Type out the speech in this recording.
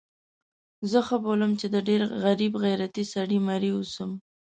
زه ښه بولم چې د ډېر غریب غیرتي سړي مریی اوسم.